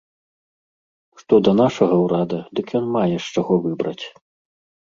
Што да нашага ўрада, дык ён мае з чаго выбраць.